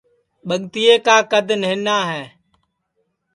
ٻگتیے کا کد نہنا ہے